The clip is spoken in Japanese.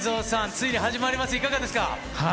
ＫＥＮＺＯさん、ついに始まります、いかがですか？